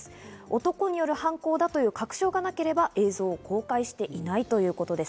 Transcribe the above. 男による犯行だという確証がなければ映像を公開していないということです。